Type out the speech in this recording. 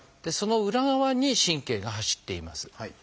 その裏側に神経が走っています。